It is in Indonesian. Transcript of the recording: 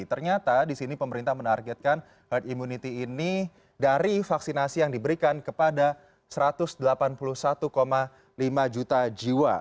ternyata di sini pemerintah menargetkan herd immunity ini dari vaksinasi yang diberikan kepada satu ratus delapan puluh satu lima juta jiwa